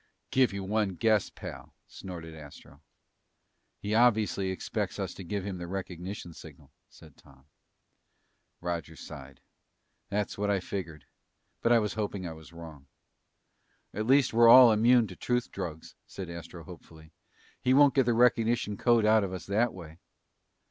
"Give you one guess, pal," snorted Astro. "He obviously expects us to give him the recognition signal," said Tom. Roger sighed. "That's what I figured. But I was hoping I was wrong." "At least we're all immune to truth drugs," said Astro hopefully. "He won't get the recognition code out of us that way."